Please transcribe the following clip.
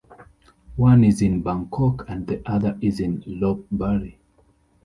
One is in Bangkok and the other is in Lopburi.